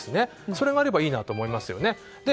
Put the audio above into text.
それがあればいいなと思いますよね。